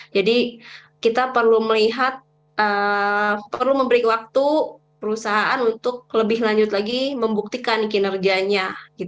jadi kita perlu melihat perlu memberi waktu perusahaan untuk lebih lanjut lagi membuktikan kinerjanya